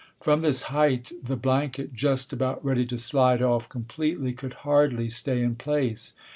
From this height the blanket, just about ready to slide off completely, could hardly stay in place.